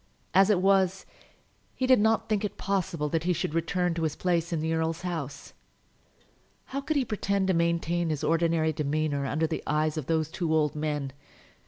As it was, he did not think it possible that he should return to his place in the earl's house. How could he pretend to maintain his ordinary demeanour under the eyes of those two old men?